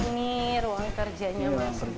nah ini ruang kerjanya mas bu